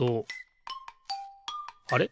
あれ？